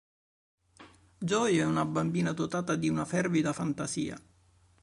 Joy è una bambina dotata di una fervida fantasia.